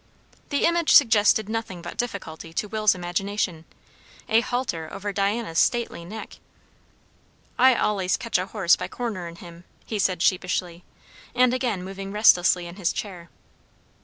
The image suggested nothing but difficulty to Will's imagination. A halter over Diana's stately neck! "I allays catch a horse by cornerin' him," he said sheepishly, and again moving restlessly in his chair.